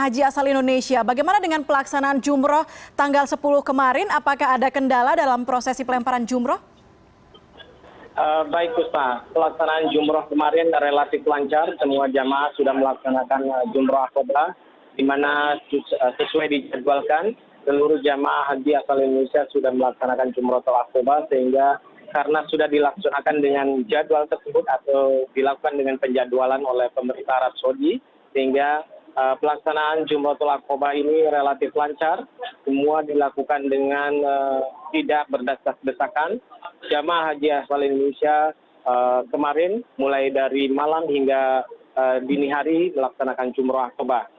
jomah haji aswalin indonesia kemarin mulai dari malam hingga dini hari melaksanakan jumroh akobah